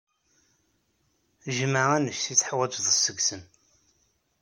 Jmeɛ anect ay teḥwajed seg-sen.